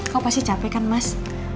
kok pasti capek kan mas